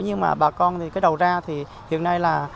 nhưng mà bà con đầu ra thì hiện nay là